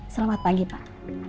selamat pagi pak